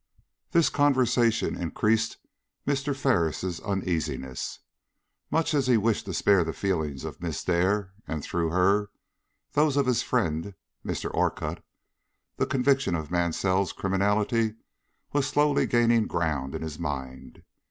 This conversation increased Mr. Ferris' uneasiness. Much as he wished to spare the feelings of Miss Dare, and, through her, those of his friend, Mr. Orcutt, the conviction of Mansell's criminality was slowly gaining ground in his mind.